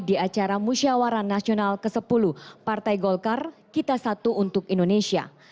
di acara musyawara nasional ke sepuluh partai golkar kita satu untuk indonesia